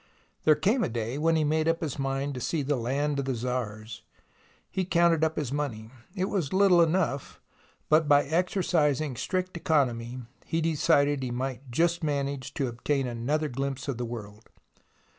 There came a day when he made up his mind to see the land of the Tsars. He counted up his money. It was little enough, but by exercising strict economy he decided he might just manage to obtain another glimpse of the world.